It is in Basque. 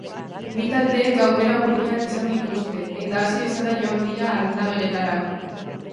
Bi taldeek aukera urriak izan dituzte, eta hasi bezala joan dira aldageletara.